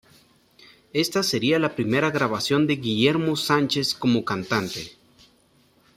Esta seria la primera grabación de Guillermo Sánchez como cantante.